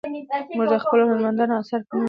موږ د خپلو هنرمندانو اثار په مینه لولو.